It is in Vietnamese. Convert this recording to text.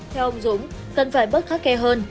theo ông dũng cần phải bất khắc khe hơn